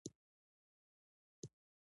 ای ایل ایچ د نوښتګر فکر ملاتړ کوي.